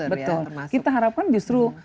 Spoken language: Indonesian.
betul kita harapkan justru